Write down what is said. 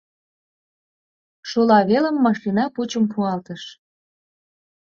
Шола велым машина пучым пуалтыш.